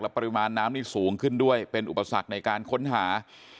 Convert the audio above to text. ปริมาณน้ำนี่สูงขึ้นด้วยเป็นอุปสรรคในการค้นหา